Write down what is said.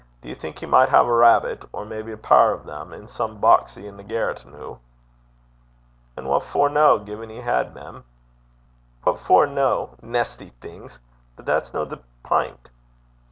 Do ye think he micht hae a rabbit, or maybe a pair o' them, in some boxie i' the garret, noo?' 'And what for no, gin he had, mem?' 'What for no? Nesty stinkin' things! But that's no the pint.